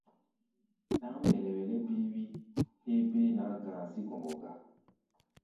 Ɗáŋ mbɛlɛ-wɛlɛ béé-wí héé béé naá-gaazígɔŋgɔ gá.